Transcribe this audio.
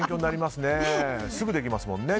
すぐできますもんね。